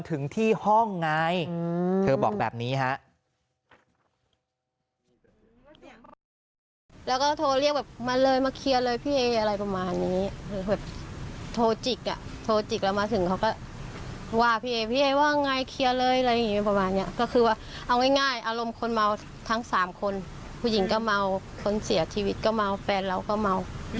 ถึงที่ห้องไงเธอบอกแบบนี้ฮะ